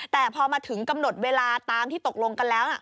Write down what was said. แต่พอมาถึงกำหนดเวลาตามที่ตกลงกันแล้ว